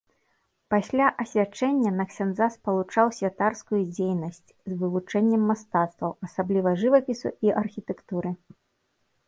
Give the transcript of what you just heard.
Пасля асвячэнне на ксяндза спалучаў святарскую дзейнасць з вывучэннем мастацтваў, асабліва жывапісу і архітэктуры.